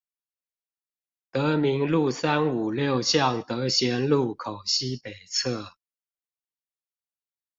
德民路三五六巷德賢路口西北側